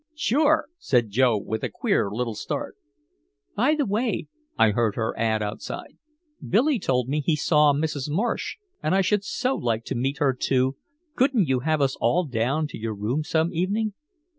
"Sure," said Joe, with a queer little start. "By the way," I heard her add outside. "Billy told me he saw Mrs. Marsh, and I should so like to meet her, too. Couldn't you have us all down to your room some evening?"